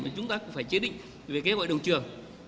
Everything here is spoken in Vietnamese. thì chúng ta cũng phải chế định về cái hội đồng trường